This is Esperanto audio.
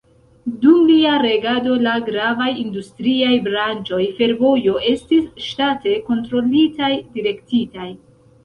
Dum lia regado, la gravaj industriaj branĉoj, fervojo estis ŝtate kontrolitaj, direktitaj.